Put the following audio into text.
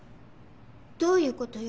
どういうことよ？